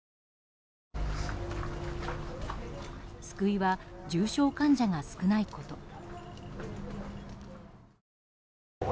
救いは重症患者が少ないこと。